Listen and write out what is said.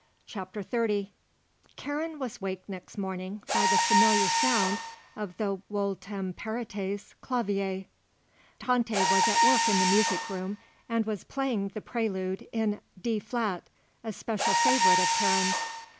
CHAPTER XXX Karen was waked next morning by the familiar sound of the Wohltemperirtes Clavier. Tante was at work in the music room and was playing the prelude in D flat, a special favourite of Karen's.